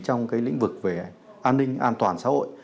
trong cái lĩnh vực về an ninh an toàn xã hội